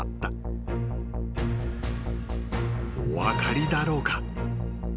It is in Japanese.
［お分かりだろうか？］